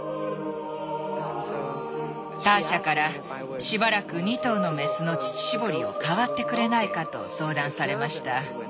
ターシャから「しばらく２頭のメスの乳搾りを代わってくれないか」と相談されました。